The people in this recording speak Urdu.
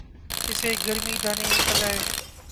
اسے گرمی دانے نکل آئے